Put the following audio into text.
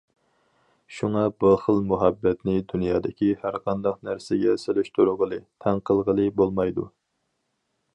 شۇڭا بۇ خىل مۇھەببەتنى دۇنيادىكى ھەرقانداق نەرسىگە سېلىشتۇرغىلى، تەڭ قىلغىلى بولمايدۇ.